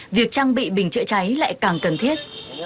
việc trang bị bình chữa cháy lại càng cần thiết